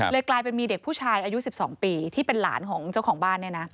กลายเป็นมีเด็กผู้ชายอายุ๑๒ปีที่เป็นหลานของเจ้าของบ้าน